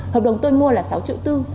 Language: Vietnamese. hợp đồng tôi mua là sáu triệu tư